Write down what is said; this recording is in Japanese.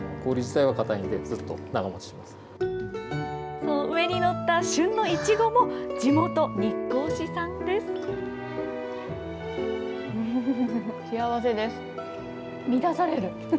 そう、上に載った旬のいちごも、地元、日光市産です。